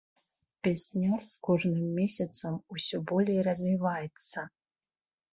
Пясняр з кожным месяцам усё болей развіваецца.